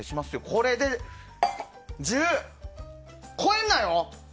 これで１０超えんなよ！